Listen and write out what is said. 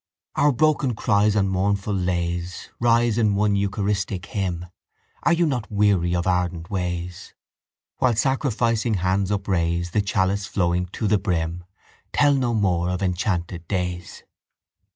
Our broken cries and mournful lays Rise in one eucharistic hymn Are you not weary of ardent ways? While sacrificing hands upraise The chalice flowing to the brim Tell no more of enchanted days.